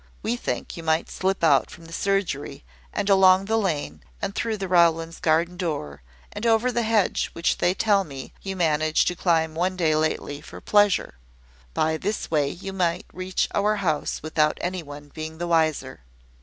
We think you might slip out from the surgery, and along the lane, and through the Rowlands' garden door, and over the hedge which they tell me you managed to climb one day lately for pleasure. By this way, you might reach our house without any one being the wiser."